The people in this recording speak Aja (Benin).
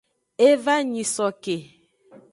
E va nyisoke.